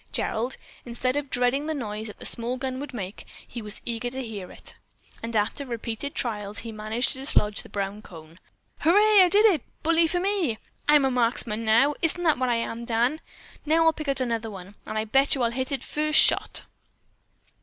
Gerald, instead of dreading the noise that the small gun would make, was eager to hear it, and after repeated trials, he managed to dislodge the brown cone. "Hurray! I did it! Bully for me! I'm a marksman now! Isn't that what I am, Dan? Now I'll pick out another one, and I bet you I'll hit it first shot."